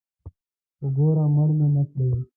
خو ګوره مړ مې نکړې.